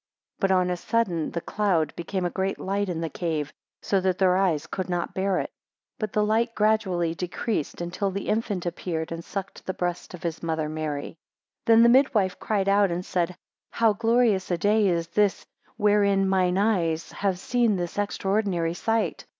11 But on a sudden the cloud became a great light in the cave, so that their eyes could not bear it. 12 But the light gradually decreased, until the infant appeared, and sucked the breast of his mother, Mary. 13 Then the midwife cried out, and said, How glorious a day is this, wherein mine eyes have seen this extraordinary sight!